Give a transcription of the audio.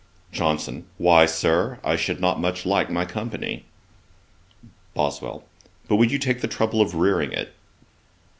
JOHNSON. 'Why, Sir, I should not much like my company.' BOSWELL. 'But would you take the trouble of rearing it?'